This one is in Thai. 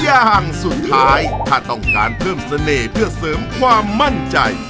อย่างสุดท้ายถ้าต้องการเพิ่มเสน่ห์เพื่อเสริมความมั่นใจ